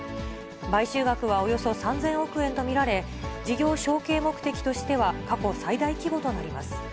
買収額はおよそ３０００億円と見られ、事業承継目的としては過去最大規模となります。